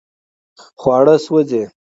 خواړه سوځي